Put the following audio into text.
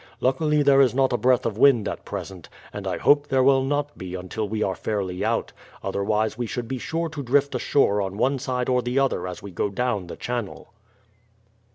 Luckily there is not a breath of wind at present; and I hope there will not be until we are fairly out, otherwise we should be sure to drift ashore on one side or the other as we go down the channel."